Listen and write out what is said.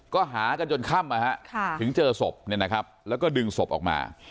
ก็หากันจนค่ำถึงเจอศพแล้วก็ดึงศพออกมา